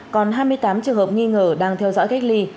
còn hai mươi tám trường hợp nghi ngờ đang theo dõi cách ly